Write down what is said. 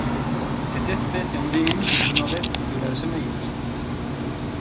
Cette espèce est endémique du Nord-Est de la Jamaïque.